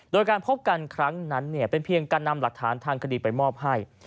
โดยการพบกันครั้งนั้นเป็นเพียงการนำหลักฐานทางคดีไปมอบให้